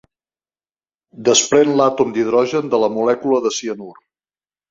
Desprèn l'àtom d'hidrogen de la molècula de cianur.